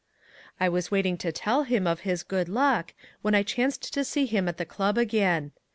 I was waiting to tell him of his good luck, when I chanced to see him at the club again.